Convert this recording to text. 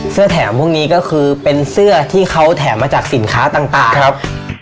แถมพวกนี้ก็คือเป็นเสื้อที่เขาแถมมาจากสินค้าต่างครับ